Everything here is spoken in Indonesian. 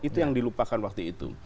itu yang dilupakan waktu itu